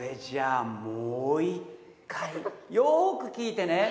よく聞いてね。